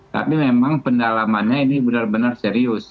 tapi memang pendalamannya ini benar benar serius